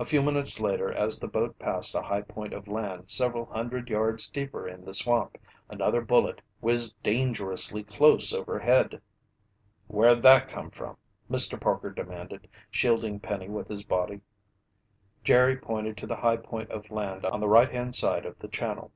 A few minutes later as the boat passed a high point of land several hundred yards deeper in the swamp, another bullet whizzed dangerously close overhead. "Where'd that come from?" Mr. Parker demanded, shielding Penny with his body. Jerry pointed to the high point of land on the right hand side of the channel.